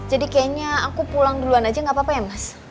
kayaknya aku pulang duluan aja gak apa apa ya mas